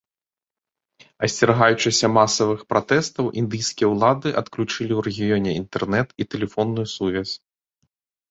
Асцерагаючыся масавых пратэстаў, індыйскія ўлады адключылі ў рэгіёне інтэрнэт і тэлефонную сувязь.